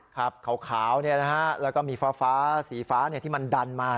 ขาวแล้วก็มีฟ้าสีฟ้าที่มันดันมา